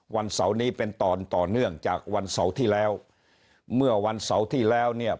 วันเสาร์นี้เป็นตอนต่อเนื่องจากวันเสาร์ที่แล้วเมื่อวันเสาร์ที่แล้วเนี่ย